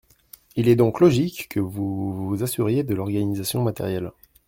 Il est donc logique que vous vous assuriez de l’organisation matérielle.